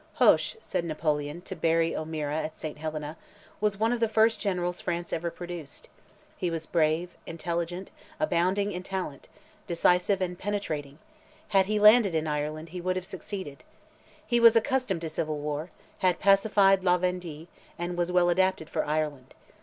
"Hoche," said Napoleon to Barry O'Meara at Saint Helena, "was one of the first generals France ever produced. He was brave, intelligent, abounding in talent, decisive and penetrating. Had he landed in Ireland, he would have succeeded. He was accustomed to civil war, had pacified La Vendee, and was well adapted for Ireland.